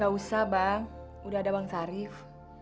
gak usah bang udah ada bang sarif